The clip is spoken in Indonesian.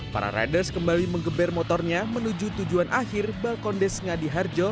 para riders kembali mengeber motornya menuju tujuan akhir balkondes ngadi harjo